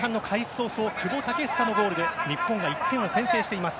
早々久保建英のゴールで日本が１点を先制しています。